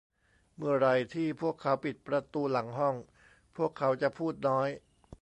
เมื่อไหร่ที่พวกเขาปิดประตูหลังห้อง พวกเขาจะพูดน้อย